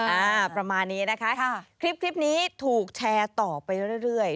อ่าประมาณนี้นะคะคลิปนี้ถูกแชร์ต่อไปเรื่อยเรื่อย